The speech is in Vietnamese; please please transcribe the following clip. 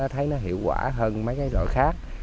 nó thấy nó hiệu quả hơn mấy cái loại khác